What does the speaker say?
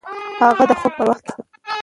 هغه د خوب پر تخت کیناست.